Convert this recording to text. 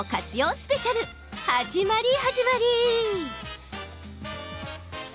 スペシャル始まり始まり。